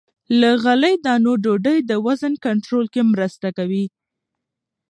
له غلې- دانو ډوډۍ د وزن کنټرول کې مرسته کوي.